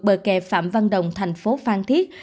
bờ kè phạm văn đồng thành phố phan thiết